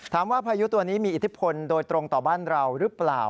ถามว่าพายุตัวนี้มีอิทศภนต์โดยตรงต่อบ้านราวรึเปล่า